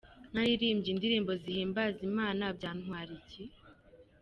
Ntaririmbye indirimbo zihimbaza Imana byantwara iki?.